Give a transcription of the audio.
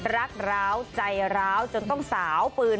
รักร้าวใจร้าวจนต้องสาวปืน